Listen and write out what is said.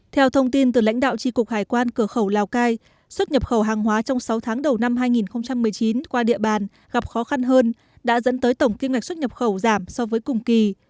theo thông tin từ lãnh đạo tri cục hải quan cửa khẩu lào cai xuất nhập khẩu hàng hóa trong sáu tháng đầu năm hai nghìn một mươi chín qua địa bàn gặp khó khăn hơn đã dẫn tới tổng kim ngạch xuất nhập khẩu giảm so với cùng kỳ